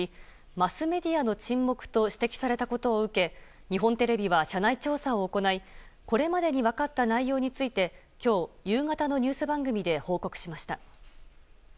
マスメディアの沈黙と指摘されたことを受け日本テレビは社内調査を行いこれまでに分かった内容について今日夕方のニュース番組で報告しました。